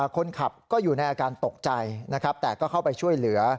คนขับก็อยู่ในอาการตกใจนะครับแต่ก็เข้าไปช่วยเหลือ